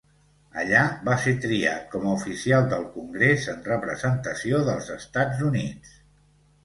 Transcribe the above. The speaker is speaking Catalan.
Allà va ser triat com a oficial del congrés, en representació dels Estats Units.